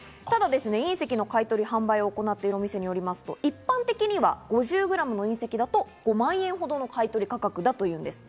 ただ、隕石の買い取り、販売を行っているお店によりますと、一般的には５０グラムの隕石だと５万円ほどの買取りだということなんです。